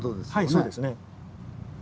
はいそうですね。